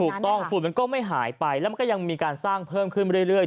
ฝุ่นมันก็ไม่หายไปแล้วมันก็ยังมีการสร้างเพิ่มขึ้นเรื่อย